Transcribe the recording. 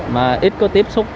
mà ít có tiếp xúc